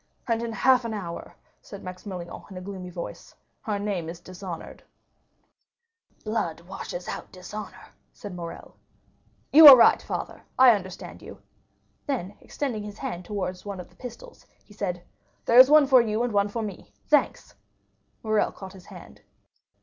"And in half an hour," said Maximilian in a gloomy voice, "our name is dishonored!" "Blood washes out dishonor," said Morrel. "You are right, father; I understand you." Then extending his hand towards one of the pistols, he said, "There is one for you and one for me—thanks!" Morrel caught his hand.